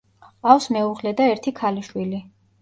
ჰყავს მეუღლე და ერთი ქალიშვილი.